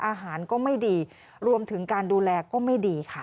อาหารก็ไม่ดีรวมถึงการดูแลก็ไม่ดีค่ะ